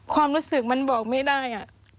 ความรู้สึกมันบอกไม่ได้